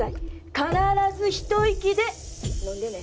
必ずひと息で飲んでね。